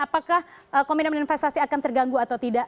apakah komitmen investasi akan terganggu atau tidak